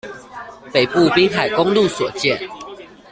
北部濱海公路所見